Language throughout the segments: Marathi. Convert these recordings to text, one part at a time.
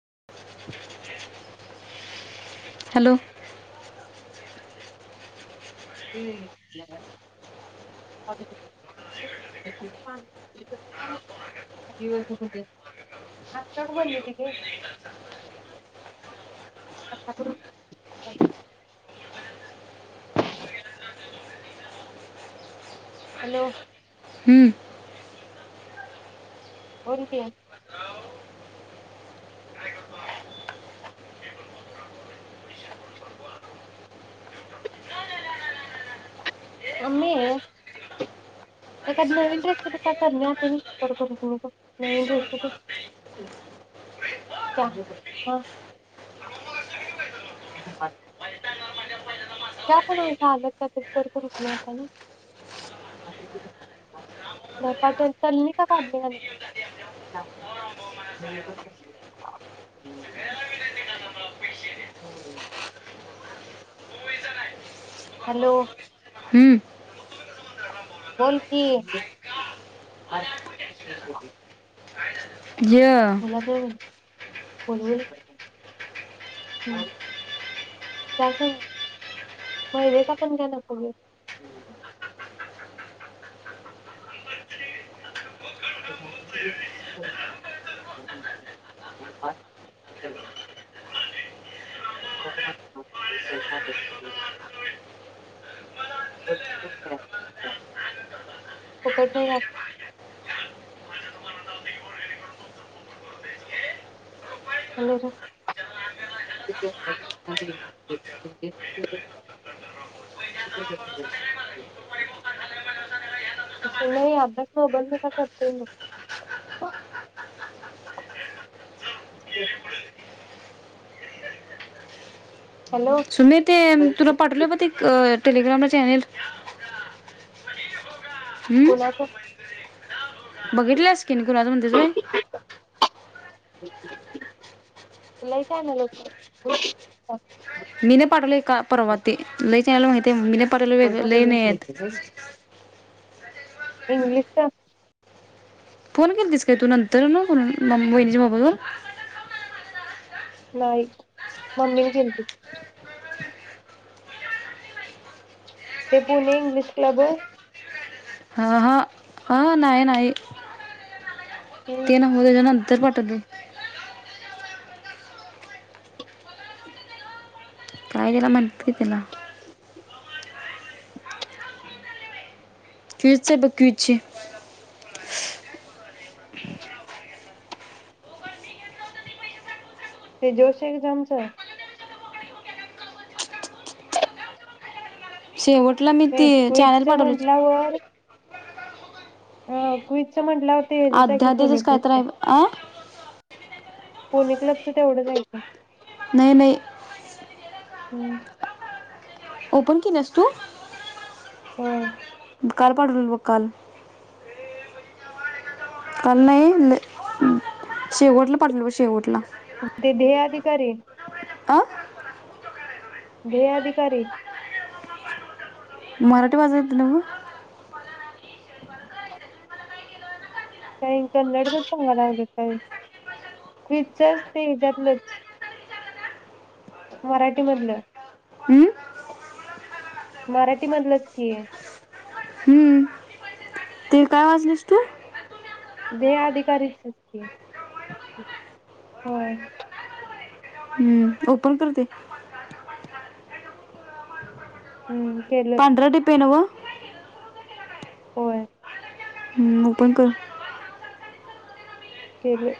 [unintelligible] हॅलो बनलेले हॅलो हम्म बोलकी मम्मी एखादी नवीन रेसिपी क्या करने आती नही हात भरतने को नवीन रेसिपी क्या हा क्या पण ऐसा अलग क्या तोबी करको रखने आता नई धपाटे तलने का काढणे का नई हम्म ह हॅलो हम्म बोलकी ज बोलवेल का हा त्यासंघ मैदे का पण क्या तर करून फुकट नाही राहात नाही तेशे लय अभ्यास सोबल नसते हॅलो सुमे ते तुला पाठवले ब ते टेलीग्रामन चॅनल हम् कोणाच बघितल्यास किनी कुणाच म्हणतील वय [inaudible] [unintelligible] [unintelligible] लय चागल लोक हाय [inaudible] मी ने पाटवले का परवा ते लै [inaudible] त्याला माहितेय मी [unintelligible] पाटवले वेगळं लै नेयात [inaudible] इंग्लिशचा फोन केलतीस काय तू नंतर न को [inaudible] मम् शैलीच्या मोबाईलवर न्हाई मम्मी न केलती ते पुणे इंग्लिश क्लब होय नाय न्हाई होय ते नव्ह त्यांच्या नंतर [unintelligible] दू [inaudible] काय त्याला म्हणत्याती ना क्विज चेत ब क्विच्चे ते जोश एक्जमचं शीप व्हय कुईतच्या म्हणल्यावर अ कुईतच्या म्हंल्यावर अध्यादिदज कायतर आहे ब आ [inaudible] पुणे क्लबच तेवढच हायकी नाई नाई हम् ओपन किल्यास तु होय काल पाठवलेल बघ काल [unintelligible] काल नाई लै शेवटला पाठलेल ब शेवटला ते ध्येय आधिकारी? आ दे अधिकारी? [inaudible] [unintelligible] [unintelligible] मराठीमधल. हम्म? मराठीमधलच की? हम्म. ते काय वाजलेस तु? देह अधिकारीेच च की होय. ओपन करते हम्म केलं पांढरा डिपी आहे नव्ह होय हम्म ओपन कर केलं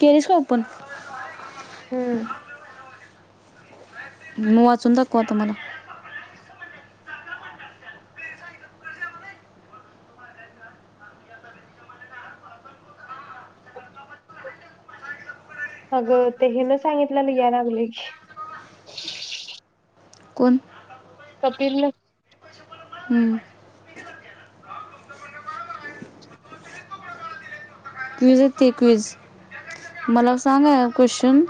केलीस का ओपन हम्म मंग वाचून दाखव आता मला अगं ते हीन सांगितल्याल यायलोय की कोण कपिला क्विझ ये ते क्विझ मला सांग आ क्वेश्चन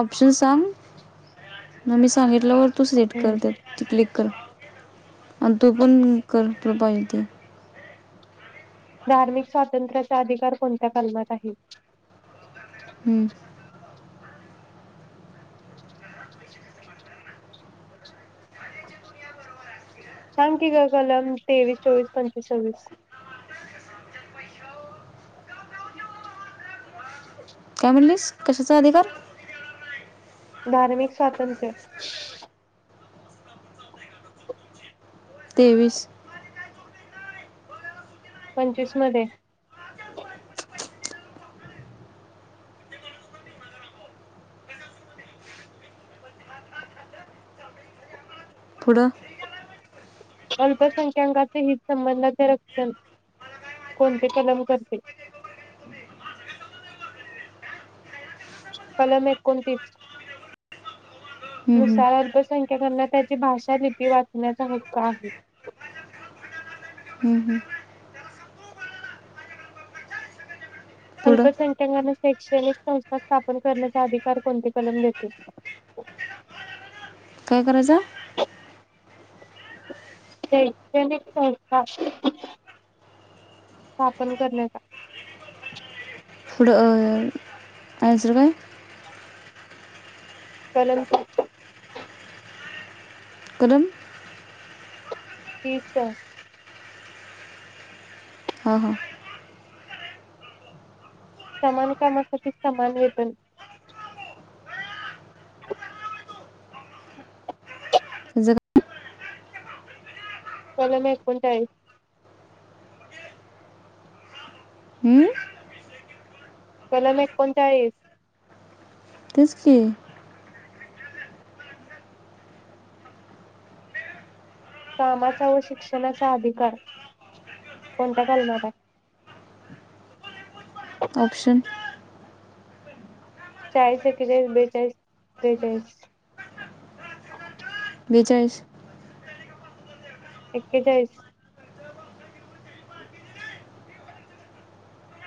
ऑप्शन सांग आणि सांगितल्यावर तू सिलेक्ट कर हम्म ते ती क्लीक कर आण तो पण कर तुला पाहिजे ते धार्मिक स्वातंत्र्याचा अधिकार कोणत्या कलमात आहे. हम्म सांग की गं कलम तेवीस, चोवीस, पंचवीस, सव्हीस. काय म्हणलीस! कशाचा अधिकार? धार्मिक स्वातंत्र्य तेवीस पंचवीस मध्ये, पुढं, अल्पसंख्याकाचे हितसंबंधांचे रक्षण कोणते कलम करते? कलम एकोणतीस, हं, हं. नुसार अल्पसंख्याकांना त्याची भाषा लिपी वाचण्याचा हक्क आहे. हं, हं. पुढं अल्पसंख्यांक शैक्षणिक संस्था स्थापन करण्याचा अधिकार कोणते कलम देते. काय करायचा शैक्षणिक संस्था स्थापन करण्याचा. पुढ [inaudible] काय कलम कलम तीस हा हा समान कामासाठी समान वेतन त्याचं काय कलम एकोणचाळीस हम्म कलम एकोणचाळीस तेचकी, कामाचा व शिक्षणाचा अधिकार कोणत्या कलमात आहे? ऑप्शन, चाळीस एकेचाळीस बेचाळीस त्रेचाळीस बेचाळीस एकेचाळीस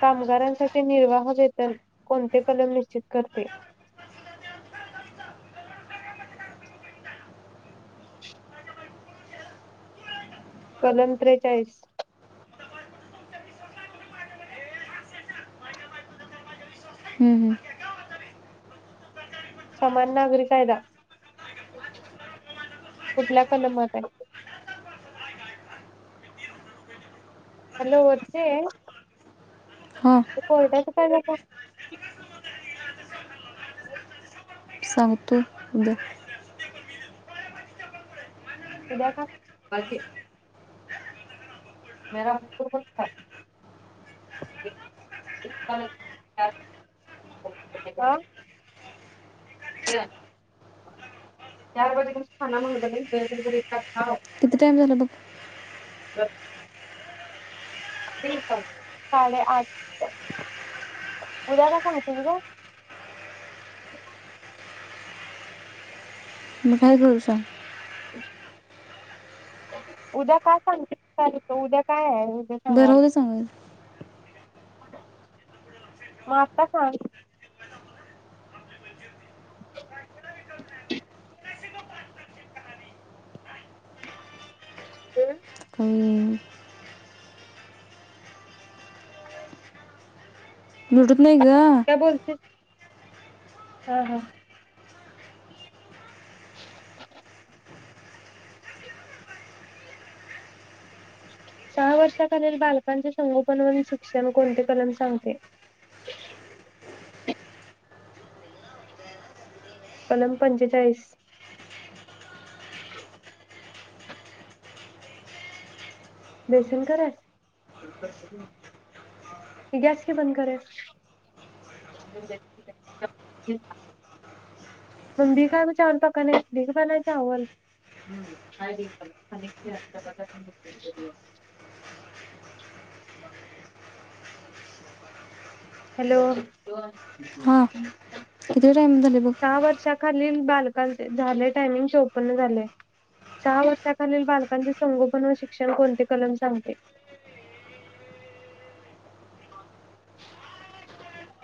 कामगारांसाठी निर्वाह वेतन कोणते कलम निश्चित करते. कलम त्रेचाळीस हं, हं. समान नागरी कायदा कुठल्या कलमात आहे. हॅलो वर्षे हां ते कोर्टाच् काय झालं. सांगतो उद्या.. उद्या का? म [inaudible] [inaudible] क [unintelligible] चार वाजे त खाना म्हगलं घ टा किती टाइम झाला बघा. ब साडे आठ उद्या काय सांगतीस ग.. मग काय करू सांग? उद्या काय सांगते? चल उद्या काय आहे? बर राहू दे सांगेन. म आता सांग. हम्म काही नि [unintelligible] नाही ग. काय बोलतेस हा हा सहा वर्षाखालील बालकांचे संगोपन वन शिक्षण कोणते कलम सांगते? कलम पंचेचाळीस. बेसन करायचं गॅस क बंद कर मग भीखा चावल पकाने भीखवालाय चावल हॅलो हां किती टाईम झाले बघ सहा वर्षा खाली खालील बालकांचे झाले टायमिंग चौपन्न झाले सहा वर्षाखालील बालकांचे संगोपन व शिक्षण कोणते कलम सांगते? [unintelligible]